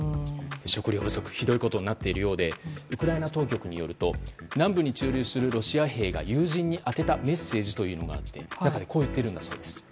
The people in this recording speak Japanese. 食料不足がひどいことになっているようでウクライナ当局によると南部に駐留するロシア兵が友人に宛てたメッセージというのがあってこう言っているそうです。